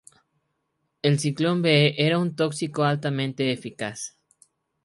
El Zyklon B era un tóxico altamente eficaz.